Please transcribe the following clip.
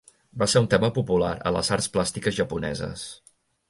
Va ser un tema popular a les arts plàstiques japoneses.